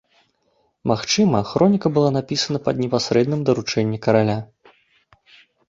Магчыма, хроніка была напісана па непасрэдным даручэнні караля.